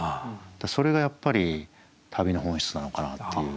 それがやっぱり旅の本質なのかなっていう。